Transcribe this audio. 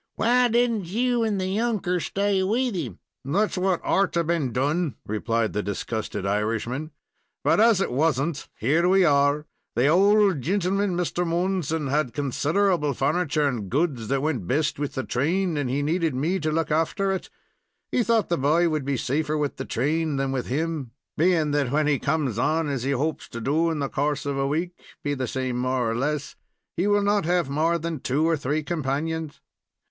"Why did n't you and the younker stay with him?" "That's what orter been done," replied the disgusted Irishman. "But as it was n't, here we are. The owld gintleman, Mr. Moonson, had considerable furniture and goods that went best with the train, and he needed me to look after it. He thought the boy would be safer with the train than with him, bein' that when he comes on, as he hopes to do, in the course of a week, be the same more or less, he will not have more than two or three companions.